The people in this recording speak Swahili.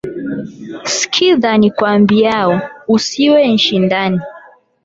Sikidha nikwambiao usive nshindani.